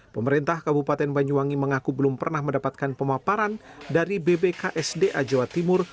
pemerintah kabupaten banyuwangi mengaku belum pernah mendapatkan pemaparan dari bbksda jawa timur